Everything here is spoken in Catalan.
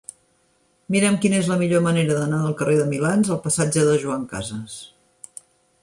Mira'm quina és la millor manera d'anar del carrer de Milans al passatge de Joan Casas.